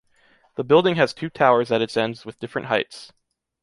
The building has two towers at its ends with different heights.